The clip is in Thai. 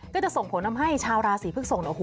ก็จะส่งผลทำให้ชาวราศีพฤกษ์ส่งโอ้โฮ